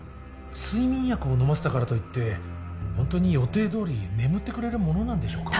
睡眠薬を飲ませたからといってホントに予定どおり眠ってくれるものなんでしょうか。